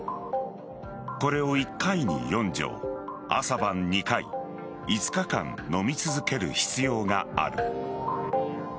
これを１回に４錠朝晩２回５日間飲み続ける必要がある。